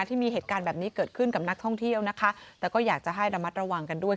ที่มีเหตุการณ์แบบนี้เกิดขึ้นกับนักท่องเที่ยวนะคะแต่ก็อยากจะให้ระมัดระวังกันด้วย